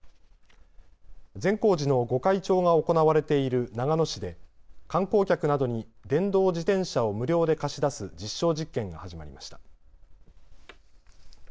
善光寺の御開帳が行われている長野市で観光客などに電動自転車を無料で貸し出す実証実験が始まりました。